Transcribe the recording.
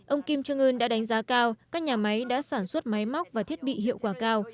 ông kim jong un đã đánh giá cao các nhà máy đã sản xuất máy móc và thiết bị hiệu quả cao